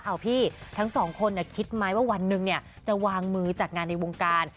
เอาพี่ทั้งสองคนคิดไหมว่าวันหนึ่งจะวางมือจัดงานในวงการ